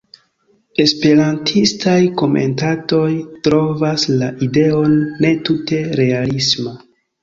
Esperantistaj komentantoj trovas la ideon ne tute realisma.